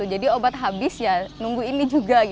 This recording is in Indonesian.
jadi obat habis ya nunggu ini juga